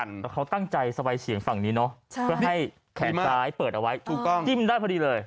อย่าเรียกป้าเรียกพี่พี่